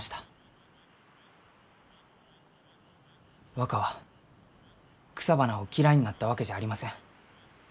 若は草花を嫌いになったわけじゃありません。